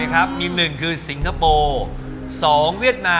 หมอเพื่อนว่างัน